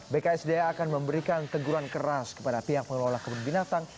bksda akan memberikan teguran keras kepada pihak pengelola kebun binatang